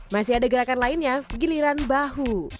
masih ada gerakan lainnya giliran bahu